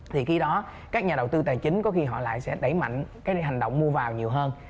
thì khi đó các nhà đầu tư tài chính có khi họ lại sẽ đẩy mạnh cái hành động mua vào nhiều hơn